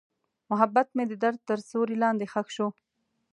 محبت مې د درد تر سیوري لاندې ښخ شو.